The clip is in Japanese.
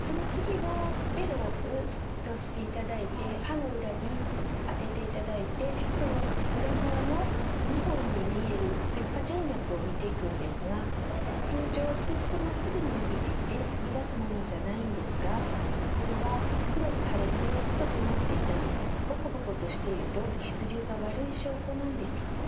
その次はベロをうっとしていただいて歯の裏に当てていただいてその裏側の２本に見える舌禍静脈を見ていくんですが通常スッとまっすぐに伸びていて目立つものじゃないんですがこれは黒く腫れて太くなっていたりボコボコとしていると血流が悪い証拠なんです。